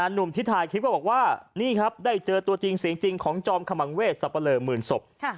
หนุ่มที่ถ่ายคลิปก็บอกว่านี่ครับได้เจอตัวจริงเสียงจริงของจอมขมังเวศสับปะเลอหมื่นศพ